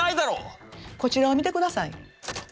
こちらを見てください。